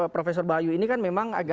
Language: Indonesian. profesor bayu ini kan memang